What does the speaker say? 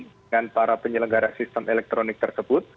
dengan para penyelenggara sistem elektronik tersebut